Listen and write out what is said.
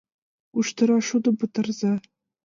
КУШТЫРА ШУДЫМ ПЫТАРЫЗА!